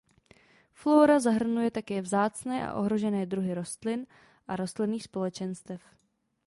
Flóra zahrnuje také vzácné a ohrožené druhy rostlin a rostlinných společenstev.